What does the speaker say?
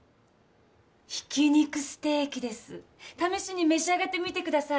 ひき肉ステエキです試しに召し上がってみてください